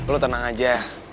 lu tenang aja